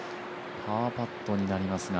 パーパットになりますが。